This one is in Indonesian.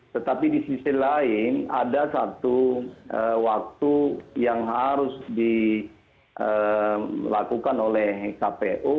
tetapi di sisi lain ada satu waktu yang harus dilakukan oleh kpu